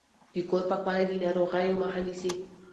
د کور پاکوالی د ناروغیو مخه نیسي۔